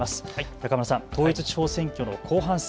中村さん、統一地方選挙の後半戦。